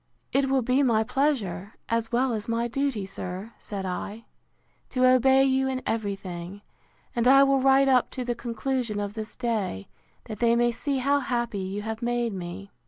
It will be my pleasure, as well as my duty, sir, said I, to obey you in every thing: and I will write up to the conclusion of this day, that they may see how happy you have made me.